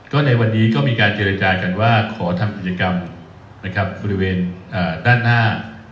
ก็ในวันนี้ก็มีการเจรจากันว่าขอทำกิจกรรมนะครับบริเวณด้านหน้า